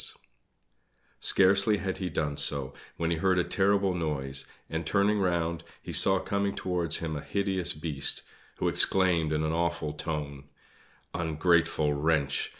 Scarcely had he done so when he heard a terrible noise, and, turning round, he saw coming towards him a hideous Beast, who exclaimed in an awful tone: "Ungrateful wretch!